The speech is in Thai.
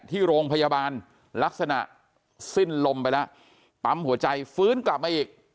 ที่โรงพยาบาลลักษณะสิ้นลมไปแล้วปั๊มหัวใจฟื้นกลับมาอีก